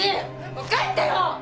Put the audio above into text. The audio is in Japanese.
もう帰ってよ！